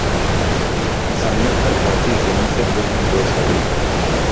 انسانیت پر بھارتی ظلم سے لطف اندوز ہورہی ہے